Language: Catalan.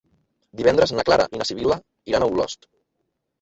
Divendres na Clara i na Sibil·la iran a Olost.